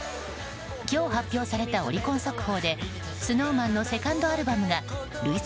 今日発表されたオリコン速報でＳｎｏｗＭａｎのセカンドアルバムが累積